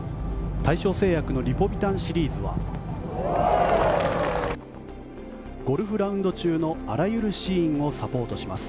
大正製薬のリポビタンシリーズはゴルフラウンド中のあらゆるシーンをサポートします。